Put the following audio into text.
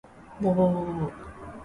ぼぼぼぼぼぼぼぼぼぼ